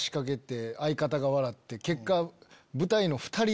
結果。